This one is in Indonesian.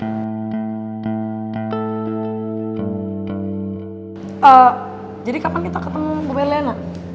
eee jadi kapan kita ketemu ibu berliana